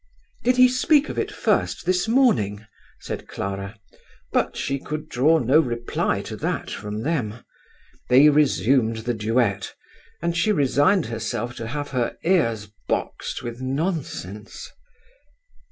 "Did he speak of it first this morning?" said Clara; but she could draw no reply to that from them. They resumed the duet, and she resigned herself to have her cars boxed with nonsense.